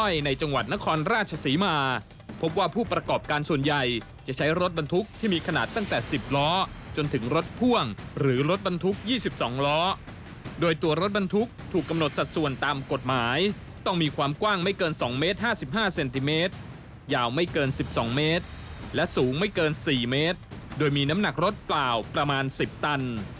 ยาวไม่เกิน๑๒เมตรและสูงไม่เกิน๔เมตรโดยมีน้ำหนักรถเปล่าประมาณ๑๐ตัน